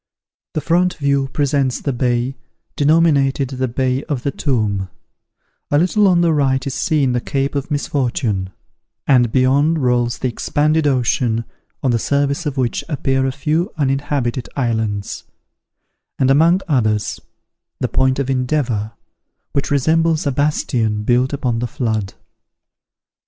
The front view presents the bay, denominated the Bay of the Tomb; a little on the right is seen the Cape of Misfortune; and beyond rolls the expanded ocean, on the surface of which appear a few uninhabited islands; and, among others, the Point of Endeavour, which resembles a bastion built upon the flood.